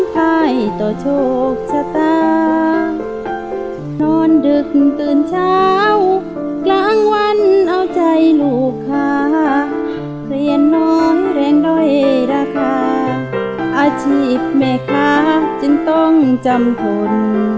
เพื่อนหนูแรงด้วยรักษาอาชีพแม่ขาจึงต้องจำทน